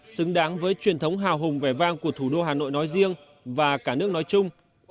xứng đáng với truyền thống hào hùng vẻ vang của thủ đô hà nội nói riêng và cả nước nói chung